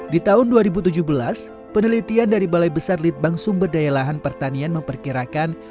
di tahun dua ribu tujuh belas penelitian dari balai besar litbang sumber daya lahan pertanian memperkirakan